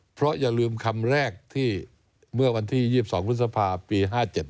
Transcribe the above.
เพราะอย่าลืมคำแรกที่เมื่อวันที่๒๒พฤษภาปี๕๗